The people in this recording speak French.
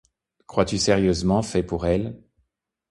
crois-tu sérieusement fait pour elle?